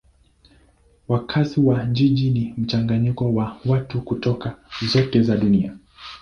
Wakazi wa jiji ni mchanganyiko wa watu kutoka zote za dunia.